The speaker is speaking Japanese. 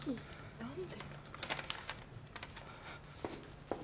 ・何で？